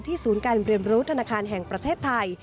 ศูนย์การเรียนรู้ธนาคารแห่งประเทศไทย